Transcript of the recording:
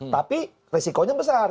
tapi risikonya besar